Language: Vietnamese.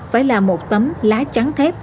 phải là một tấm lá trắng thép